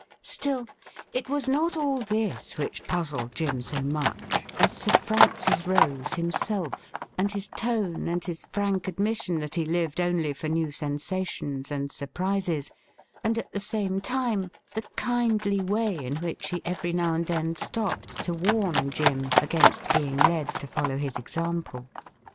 Still, it was not all this which puzzled Jim so much as Sir Francis Rose himself, and his tone and his frank ad mission that he lived only for new sensations and surprises, and at the same time the kindly way in which he every now and then stopped to warn Jim against being led to follow his example.